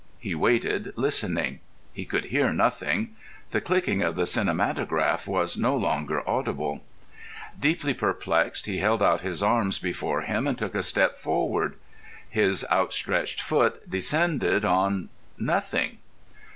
He waited, listening. He could hear nothing. The clicking of the cinematograph was no longer audible. Deeply perplexed, he held out his arms before him and took a step forward. His outstretched foot descended on—nothing.